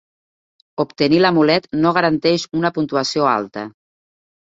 Obtenir l'amulet no garanteix una puntuació alta.